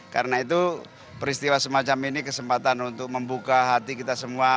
karena itu peristiwa semacam ini kesempatan untuk membuka hati kita semua